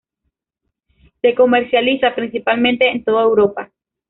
Se comercializa principalmente en toda Europa.